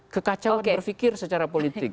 kekacauan berpikir secara politik